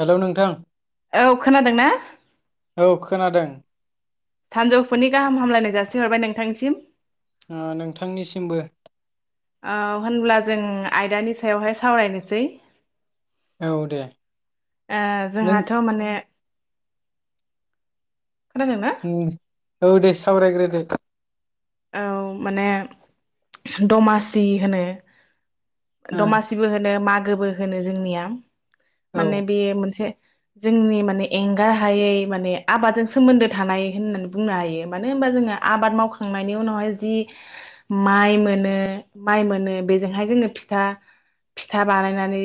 Hello नोंथां। औ खोनादों ना? औ खोनादों। सानजौफुनि गाहाम हामलायनाय जासिहरबाय नोंथांसिम। ओ नोंथांनिसिमबो औ होनब्ला जों। आयदानि सायावहाय सावरायनोसै। औ दे नों जोंहाथ माने। खोनादोंना। उम औ दे सावरायग्रो दो। औ माने दमासि होनो। ओ दमासिबो होनो मा। गोबो होनो जोंनिया। औ माने बेयो मोनसे। जोंनि माने एंगार हायै माने आबादजों सोमोन्दो थानाय होननानै बुंनो हायो मानो होनबा जोंङो आबाद मावख। खांनायनि उनावहाय जि माइ मोनो माइ मोनो बेजोंहाय जोंङो फिथा फिथा बानायनानै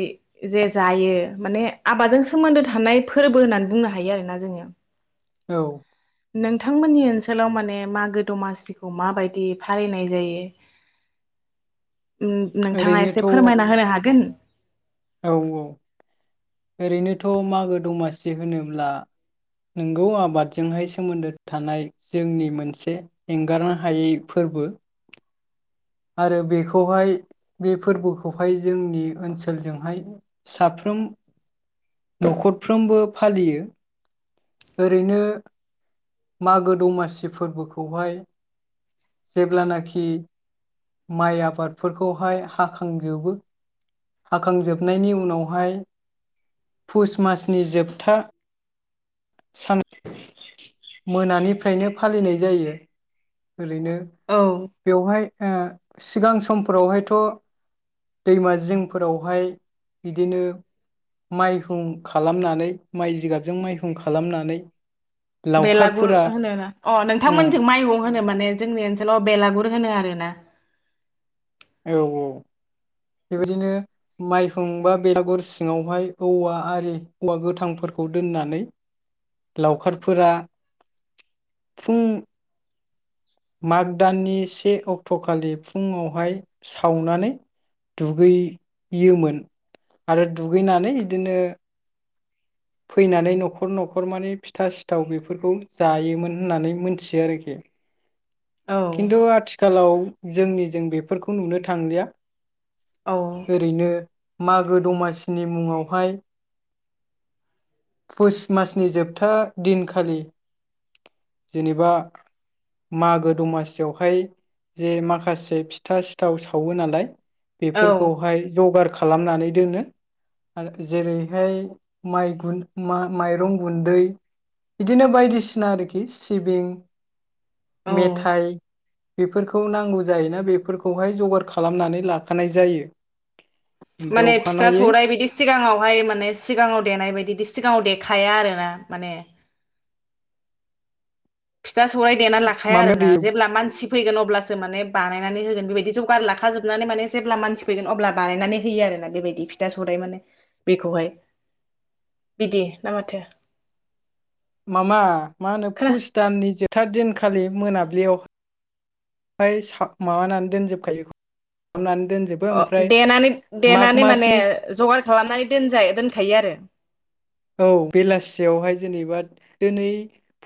जे जायो माने आबादजों सोमोन्दो थानाय फोरबो होननानै बुंनो हायो आरोना जोंङो। औ। नोंथांमोननि ओनसोलाव माने मागो दमासिखौ माबायदि फालिनाय जायो। नोंथाङा ओरैनोथ' एसे फोरमायना होनो हागोन। औ औ ओरैनोथ मागो दमासि होनोब्ला नोंगौ आबादजोंहाय सोमोन्दो थानाय जोंनि मोनसे एंगारनो हायै फोरबो। आरो बेखौहाय बे फोरबोखौहाय जोंनि ओनसोलजोंहाय साफ्रोम नखरफ्रोमबो फालियो ओरैनो मागो दमासि फोरबोखौहाय जेब्लानोखि। माइ आबादफोरखौहाय हाखांजोबो हाखांजोबनायनि उनावहाय पुस मासनि जोबथा सान मोनानिफ्रायनो फालिनाय जायो। ओरैनो औ बेवहाय ओ। सिगां समफोरावहायथ दैमा जिंफोरावहाय बिदिनो माइहुं खालामनानै माइ जिगाबजों माइहुं खालामनानै। बेलागुर लावखारफोरा होनोना अ उम नोंथांमोनजों माइहुं। होनो माने जोंनि ओनसोलाव बेलागुर होनो आरोना। औ औ बेबायदिनो माइहुं बा बेलागुर सिङावहाय औवा आरि औवा गोथांफोरखौ दोननानै लावखारफोरा फुं माग दाननि से अक्टखालि फुङावहाय। सावनानै दुगैयोमोन आरो दुगैनानै बिदिनो। फैनानै नखर नखर माने फिथा सिथाव बेफोरखौ जायोमोन होननानै मोन्थियो आरोखि। औ खिन्थु आथिखालाव। जोंनि जों बेफोरखौ नुनो थांलिया। औ ओरैनो। मागो दमासिनि मुङावहाय। फस मासनि जोबथा दिनखालि जेनेबा मागो दमासियावहाय जे माखासे फिथा सिथाव सावो नालाय। बेफोरखौहाय जगार खालामनानै। दोनो आरो जेरैहाय। माइ गुन माइरं गुन्दै बिदिनो बायदिसिना आरोखि सिबिं। औ मेथाइ बेफोरखौ नांगौ जायोना। बेफोरखौहाय जगार खालामनानै लाखानाय जायो। ओमफ्राय माने फिथा अखानायै सौराइ बिदि सिगाङावहाय माने सिगाङाव देनाय बायदि दि सिगाङाव देखाया आरोना माने जा सौराय देना लाखाया माम आरोना जेब्ला मानसि फैगोन अब्लासो माने बानायनानै होगोन बेबायदि जगार लाखा जोबनानै माने जेब्ला मानसि फैगोन अब्ला बानायनानै होयो आरोना बेबायदि फिथा सौराइ माने बेखौहाय बिदि ना माथो? मामा मा होनो खोना पुष दाननि जोब था दिनखालि मोनाब्लियाव ओमफ्राय साब माबानानै दोनजोबखायो खालामनानै दोनजोबो अ ओमफ्राय देनानै माग देनानै माने मासनि जगार खालामनानै दोनजायो दोनखायो आरो। औ बेलासियावहाय जेनेबा दिनै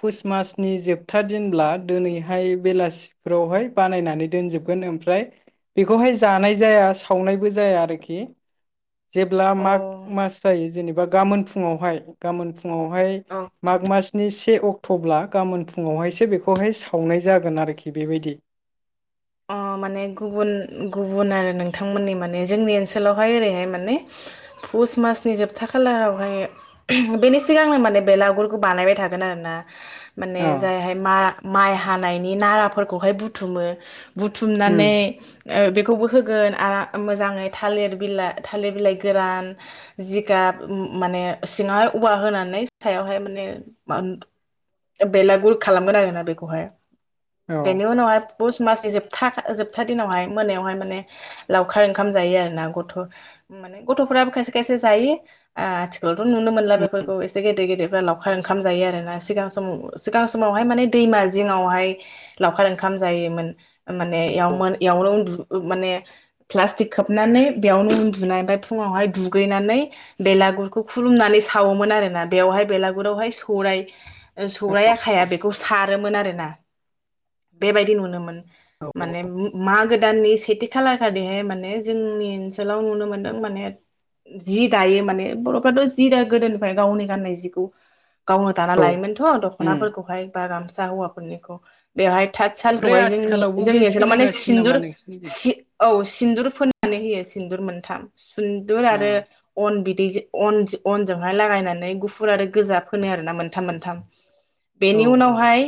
पुष मासनि जोबथा दिनब्ला दोनैहाय बेलासि फोरावहाय बानायनानै दोनजोबगोन ओमफ्राय बेखौहाय जानाय जाया सावनायबो जाया आरोखि। जेब्ला अ माघ मास जायो जेनेबा गामोन फुङावहाय गामोन फुं फुङावहाय औ माग मासनि से अक्ट' थब्ला गाबोन फु फुङावहायसो बेखौहाय सावनाय जागोन आरोखि। बेबायदि। अ माने गुबुन गुबुन आरो नोंथांमोननि माने जोंनि ओनसोलावहाय ओरैहाय माने पुस मासनि जोबथा खालारावहाय बेनि सिगांनो माने बेलागुरखौ बानायबाय थागोन आरो ना। माने अ जायहाय मा-माइ हा हानायनि नाराफोरखौहाय बुथुमो बुथुमनानै उम ओ बेखौबो होगोन आरो मोजाङै थालिर बिलाइ थालिर बिलाइ गोरान जिगाब माने सिङावहाय औवा होनानै सायावहाय माने बेलागुर खालामगोन आरोना बेखौहाय। औ बेनि उनावहाय पुस मासनिजोब था जोबथा दिनावहाय मोनायावहाय माने लावखार ओंखाम जायो आरो ना गथ' माने गथ'फ्राबो खायसे खायसे जायो आथिखालाव थ' नुनो मोनला उम बेफोरखौ एसे गेदेर गेदेर लावखार ओंखाम जायो आरोना सिगां समाव सिगां समावहाय माने दैमा जिङावहाय लावखार ओंखाम जायोमोन । माने औ इयावमोन बेयावनो उन्दु माने प्लास्टिक खोबनानै बेयावनो उन्दुनाय ओमफ्राय फुङावहाय दुगैनानै बेलागुरखौ खुलुमनानै सावोमोन आरो ना बेवहाय बेलागुरावहाय सौराय ओ सौराय औ आखाया बे बेखौ सारोमोन आरोना बेबायदि नुनोमोन। माने मागो दाननि सेथि खालार खालिहाय माने जोंनि ओनसोलाव नुनो मोनदों माने जि दायो माने बर'फ्राथ' जि द गोदोनिफ्राय गावनि गाननाय जिखौ गावनो दाना औ लायोमोनथ' उम दख'नाफोरखौहाय बा गामसा सा हौवाफोरनिखौ बेहाय थाथ ओमफ्राय सालखौहाय जोंनि आथिखालावबो बे जोंनि ओनसोलाव माने सोलिगासिनो नामा सिन्दुर नोंसिनिजों? औ सिन्दुर फोननानै होयो सिन्दुर मोनथाम सिन्दुर आरो अनबिद बि जे अन अनजोंहाय लागायनानै गुफुर आरो गोजा फोनो आरो ना मोनथाम मोनथाम औ बेनि उनावहाय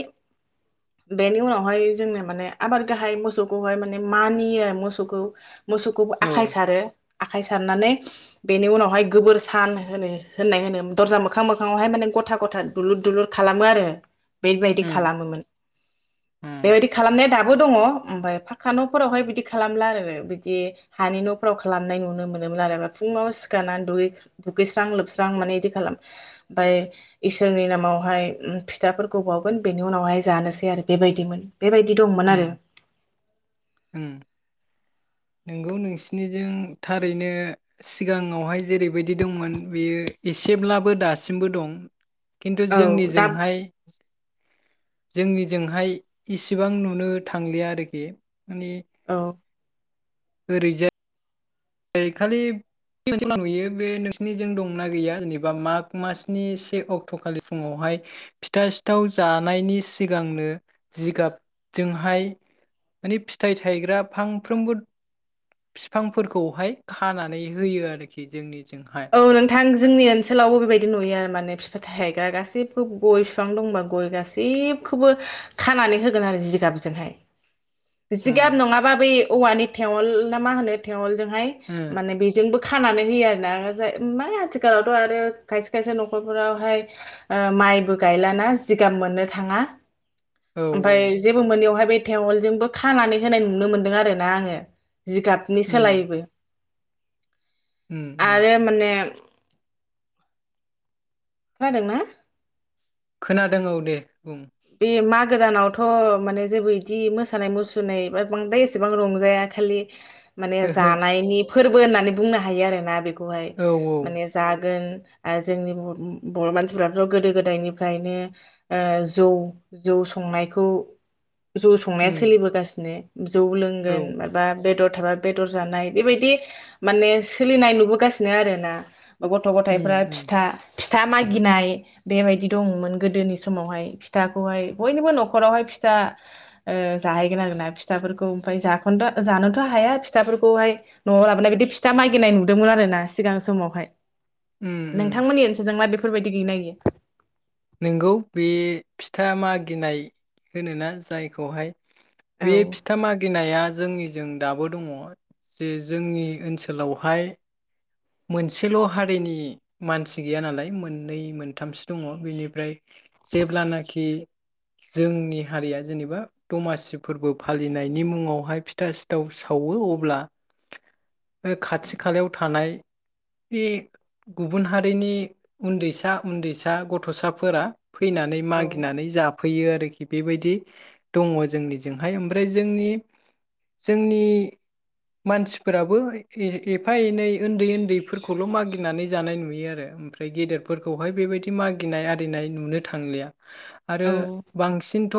बेनि उनावहाय जोंनो माने आबाद गाहाय मोसौखौहाय माने मानियो मोसौखौ मोसौखौबो आखाय औ सारो आखाइ सारनानै बेनि उनावहाय गोबोर सान होनो होननाय होनो दरजा मोखां मोखाांङावहाय माने गथा गथा दुलुर दुलुर खालामो आरो बेबायदि उम खालामोमोन उम बेबायदि खालामनाया दाब बो दङ ओमफ्राय फाका न'फोरावहाय बिदि खालामला आरो बिदि हानि न'फोराव खालामनाय नुनो मोनोमोन आरो फुङाव सिखारनानै दुगै-दुगैस्रां लोबस्रां माने इदि खालाम ओमफाय इसोरनि नामावहाय फिथाफोरखौ बावगोन बेनि उनावहाय जानोसै आरो बेबायदिमोन बेबायदिथ' उम उम नोंगौ नोंसिनिजों थारैनो सिगाङावहाय जेरैबायदि दंमोन बेयो एसेब्लाबो दासिमबो दं। खिन्थु औ दा जोंनिजोंहाय जोंनिजोंहाय इसिबां नुनो थांलिया आरोखि माने औ ओरैजाय खालि [unintelligible] नुयो बे नोंसिनिजों दंनाा गैया जेनेबा माग मासनि से अक्ट' खालि फुङावहाय फिथा सिथाव जानायनि सिगांनो जिगाबजोंहाय माने फिथाइ थायग्रा फांफ्रोमबो बिफांफोरख खौहाय खानानै होयो आरोखि जोंनि औ नोंथां जोंनि ओनसोलावबो बेबायदि नुयो आरो माने फिथाय थाइग्रा गासैबो गय बिफां दंबा गय गाैबखौबो खानानै होगोन आरो जिगाबजोंहाय जिगाब उम नङाबा बै औवानि थेवल ना मा होनो थेवल जोंहाय उम माने बेजोंबो खानानै होयो आरो ना जाय माने आथिखालावथ' आरो खायसे खायसे न'खरफोरावहाय ओ माइबो गायलाना जिगाम मोननो थाङा। औ ओमफाय जेबो मोनैयावहाय बे थेवलजोंबो खानानै होनाय नुनो मोनदों आरो ना आङो जिगाबनि उम सोलायबो उम उम [inaudible] खोनादों ना? खोनादों औ दे बुं बे मागो दानावथ' माने जेबो इदि मोसानाय मुसुरनाय बा बांद्राय एसेबां रंजाया खालि माने ओहो जानायनि फोरबो होननानै बुंनो हायो आरोना बेख खौहाय औ माने जागोन ओ जोंनि बुहुत बर' मानसिफ्राथ' गोदो गोदायनिफ्रायनो ओ जौ जौ संनायखौ जौ संनाया उम सोलिबोगासिनो । जौ औ लोंगोन उम माबा बेदर। थाबा बेदर जानाय बेबायदि माने सोलिनाय नुबोगासिनो आरोना। गथ' गथायफ्रा उम फिथा फिथा मागिनाय बेबायदि दङमोन गोदोनि समावहाय। फिथाखौहाय बयनिबो न'खरावहाय फिथा ओ जाहैगोन आरो ना फिथाफोरखौ ओमफाय जाखोनदा जानोथ' हाया फिथाफोरखौहाय न'आव लाबोनाय बिदि फिथा मागिनाय नुदोंमोन आरो ना सिगां समावहाय। उम उम नोंथांमोननि ओनसोलजों मा बेफ बेफोरबायदि गैना गैया? नोंगौ बे फिथा मागिनाय होनोना जायखौहाय औ बे फिथा मागिनाया जोंनिजों दाबो दङ जे जोंनि ओनसोलावहाय मोनसेल' हारिनि मानसि गैया नालाय मोननै मोनथामसो दङ बेनि फ्राय जेब्लानाखि जोंनि हारिया जेनेबा दमासि फोरबो फालिनायनि मुङावहाय फिथा सिथाव सावो अब्ला ओ बे खाथि खालायाव थानाय बे गुबुन हारिनि उन्दैसा उन्दैसा गथ'सा फोरा फैनानै औ मागिनानै जा फैयो आरोखि बेबायदि दङ जोंनिजोंहाय ओमफ्राय जोंनि जोंनि मानसिफोराबो ए एफा एनै उन्दै उन्दैफोरखौल' मागिनानै जानाय नुयो आरो ओमफ्राय गेदेरफोरखौहाय बेबायदि मागिनाय फैनाय नुनो थांलिया। आरो औ बांसिनथ'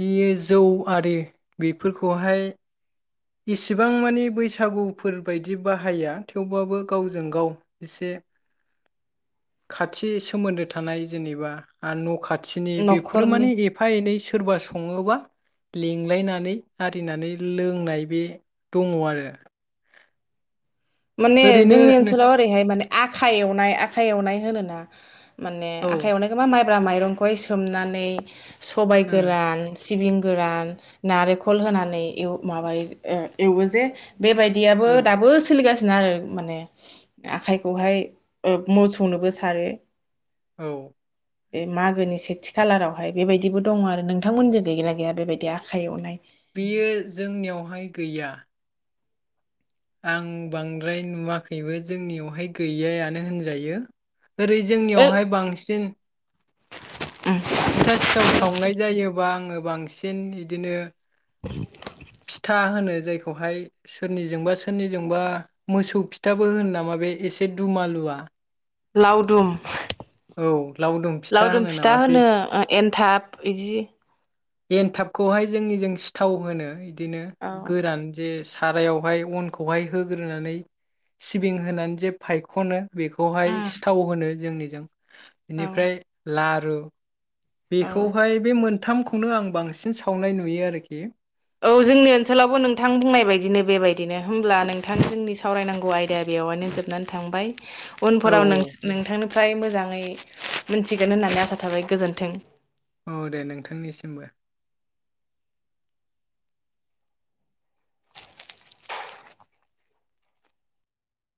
बियो जौ आरि बेफोरखौहाय इसिबां मानि बैसागुफोर बायदि बाहाया थेवबाबो गावजों गाव एसे खाथि सोमोन्दो थानाय जेनेबा न' खाथ थिनि बेफोरो न'खरनि माने एफा एनै सोरबा सङोबा लिंलायनानै आरिनानै लोंनाय बे दङ आरो। माने ओरैनो जोंनि नो- ओनसोलाव ओरैहाय माने आखाइ एवनाय आखाइ एवनाय होनोना। माने औ आखाइायावनो [unintelligible] ग्रा माइरंखौहाय सोमनानै सबाइ उम गोरान सिबिं गोरान नारेंखल होनानै एव माबायो ओ एवो जे बेबायदियाबो उम दाबो सोलिगासि। आरो माने आखाइखौहाय ओ मोसौनोबो सारो। औ। बे मागोनि सेथि खालारावहाय बेबायदिबो दङ आरो नोंथांमोनजों गैगोना गैया बेबायदि आखाइ एवनाय। बियो जोंनियावहाय गैया। आं बांद्राय नुवाखैबो जोंनियावहाय गैयायानो होनजायो। ओरै ओ जोंनियावहाय बांसिन। फिथा सिथाव सावनाय जायोबा आङो बांसिन बिदिनो। [unintelligible] फिथा होनो जायखौहाय सोरनिजोंबा सोरनिजोंबा मोसौ फिथाबो होनो नामा बे एसे दुमालुवआ। लावदुम लावदुम लावदुम होनो फिथा नामा बे होनो एन्थाब बिदि एन्थाबखौहाय जोंनि जों सिथाव होनो। बिदिनो औ गोरान जे सारायावहाय अनखौहाय होग्रोनानै सिबिं होनानै जे फायख'नो। बेखौहाय उम सिथाव होनो जोंनि जों। औ बेनिफ्राय ला औ। औ बेखौहाय बे मोनथामखौनो आं बांसिन सावनाय नुयो आरोखि। औ जोंनि ओनसोलावबो नोंथां बुंनाय बायदिनो बेबायदिनो होमब्ला नोंथां जोंनि सावरायनांगौ आयदाया बेवहायनो जोबनानै थांबाय। औ उनफोराव नोंस-नोंथांनो फ्राय मोजाङै मोनथिगोन होननानै आसा थाबाय गोजोन्थों। औ दे नोंथांनिसिमबो।